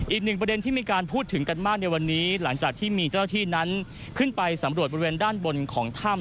อีกหนึ่งประเด็นที่มีการพูดถึงกันมากในวันนี้หลังจากที่มีเจ้าหน้าที่นั้นขึ้นไปสำรวจบริเวณด้านบนของถ้ำ